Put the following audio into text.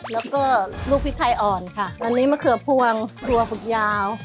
แล้วก็ลูกพริกไทยอ่อนค่ะวันนี้มะเขือพวงครัวฝึกยาว